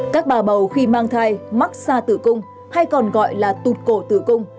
các bà bầu khi mang thai mắc xa tử cung hay còn gọi là tụt cổ tử cung